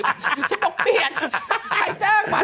ทำไมก็ฉันบอกเปลี่ยนผายจ้างว่า